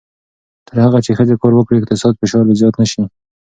تر هغه چې ښځې کار وکړي، اقتصادي فشار به زیات نه شي.